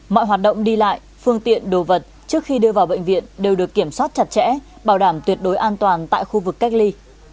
mọi hoạt động đi lại phương tiện đồ vật trước khi đưa vào bệnh viện đều được kiểm soát chặt chẽ bảo đảm tuyệt đối an toàn tại khu vực cách ly